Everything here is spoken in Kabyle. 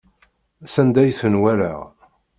S anda i ten-walaɣ.